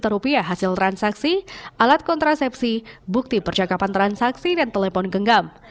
rp lima hasil transaksi alat kontrasepsi bukti percakapan transaksi dan telepon genggam